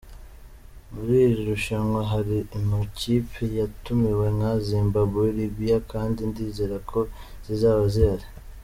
Muri iri rushanwa hari amakipe yatumiwe nka Zimbabwe, Libya kandi ndizera ko zizaba zihari.”